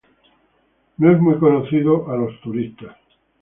No es mucho conocido a los turistas.